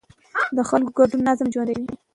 د خلکو ګډون نظام ژوندی کوي